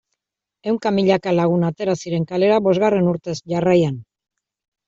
Ehunka milaka lagun atera ziren kalera bosgarren urtez jarraian.